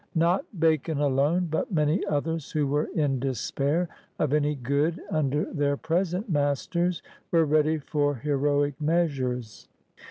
Not Bacon alone, but many others who were in despair of any good under their present masters were ready for heroic meas ures.